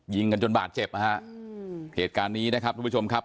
ยิงกันจนบาดเจ็บนะฮะเหตุการณ์นี้นะครับทุกผู้ชมครับ